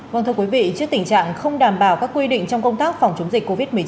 vâng thưa quý vị trước tình trạng không đảm bảo các quy định trong công tác phòng chống dịch covid một mươi chín